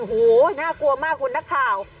โอ้โหน่ากลัวมากคุณนักข่าว